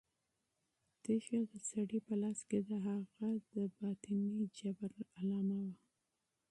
تیږه د سړي په لاس کې د هغه د باطني ظلم نښه وه.